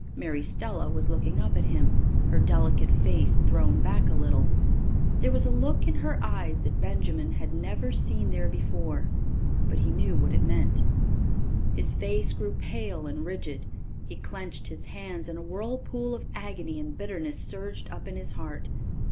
Mary Stella was looking up at him, her delicate face thrown back a little. There was a look in her eyes that Benjamin had never seen there before but he knew what it meant. His face grew pale and rigid; he clenched his hands and a whirlpool of agony and bitterness surged up in his heart.